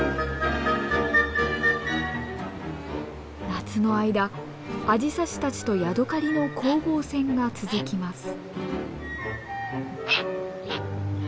夏の間アジサシたちとヤドカリの攻防戦が続きます。